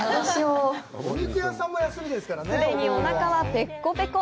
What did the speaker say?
すでにお腹はぺこぺこ。